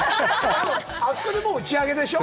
あそこでもう打ち上げでしょう？